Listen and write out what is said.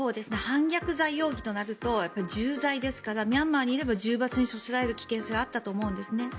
反逆罪容疑となると重罪ですからミャンマーにいれば重罰に処せられる危険性はあったと思うんですね。